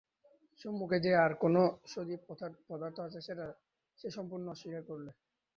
সম্মুখে যে আর-কোনো সজীব পদার্থ আছে সেটা সে সম্পূর্ণই অস্বীকার করলে।